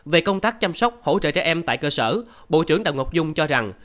về công tác chăm sóc hỗ trợ trẻ em tại cơ sở bộ trưởng đào ngọc dung cho rằng